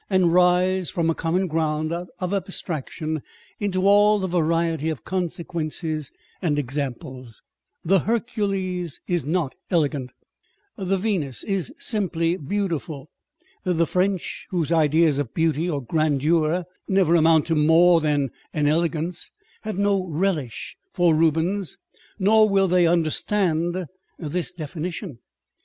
and rise from a common ground of abstraction into all the variety of consequences and examples. The Hercules is not elegant ; the Venus is simply beautiful. The French, whose ideas of beauty or grandeur never amount to more than an elegance, have no relish for Rubens, nor will they understand this definition.